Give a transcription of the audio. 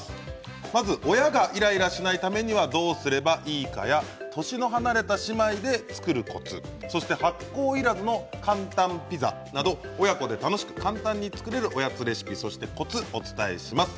親がイライラしないためにはどうすればいいかや年の離れた姉妹で作るときのコツ発酵いらずの簡単ピザなど親子で楽しく簡単に作れるおやつレシピやコツをお伝えします。